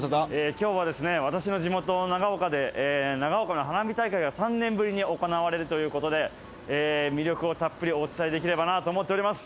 今日は私の地元、長岡で長岡の花火大会が３年ぶりに行われるということで魅力をたっぷりお伝えできればなと思っております。